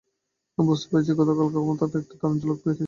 আমি বোঝাতে চেয়েছি গতকাল ক্ষমতার একটা দারুন ঝলক দেখিয়েছো।